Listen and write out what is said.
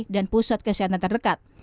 dan pusat kesehatan terdekat